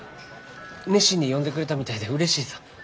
熱心に読んでくれたみたいでうれしいさ。